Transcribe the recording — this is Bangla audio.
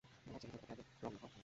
আমার ছেলে সত্যকে আগে রং মাখাও।